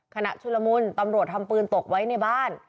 ชุดละมุนตำรวจทำปืนตกไว้ในบ้าน